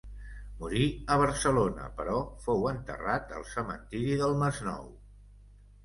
Morí a Barcelona però fou enterrat al cementiri del Masnou.